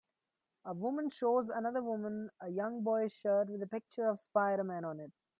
A woman shows another woman a young boys shirt with a picture of Spider Man on it.